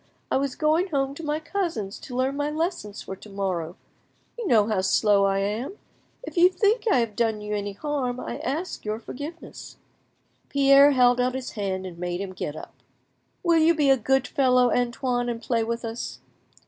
I was going home to my cousins to learn my lessons for to morrow; you know how slow I am. If you think I have done you any harm, I ask your forgiveness." Pierre held out his hand and made him get up. "Will you be a good fellow, Antoine, and play with us?"